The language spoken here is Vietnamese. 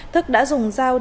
thức đã dùng dao chém